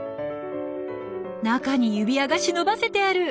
中に指輪が忍ばせてある！